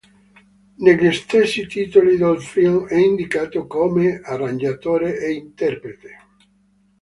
Negli stessi titoli del film è indicato come arrangiatore e interprete.